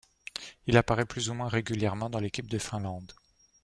Il apparaît plus ou moins régulièrement dans l'équipe de Finlande.